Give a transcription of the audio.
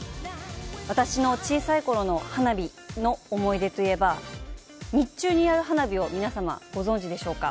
私の小さいころの花火の思い出といえば日中にやる花火を皆様ご存じでしょうか？